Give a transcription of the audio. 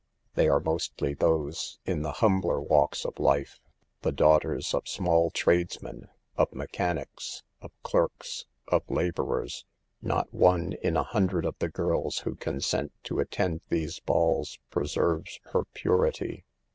They are mostly those in the humbler walks of life, the daughters of small tradesmen, of mechanics, of clerks, of laborers. Not one in a hundred of the girls who consent to attend these balls pre serves her purity.